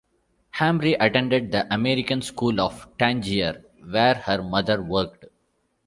Hamri attended the American School of Tangier, where her mother worked.